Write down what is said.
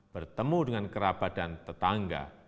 bertemu dengan kerabat dan tetangga